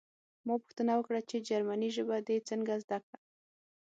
ما پوښتنه وکړه چې جرمني ژبه دې څنګه زده کړه